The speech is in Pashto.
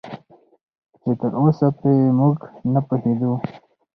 چې تراوسه پرې موږ نه پوهېدو